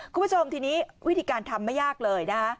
คุณผู้ชมทีนี้วิธีการทำไม่ยากเลยนะคะ